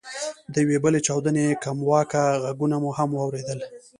د یوې بلې چاودنې کمواکه ږغونه مو هم واورېدل.